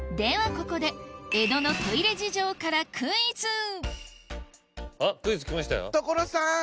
ここで江戸のトイレ事情から所さん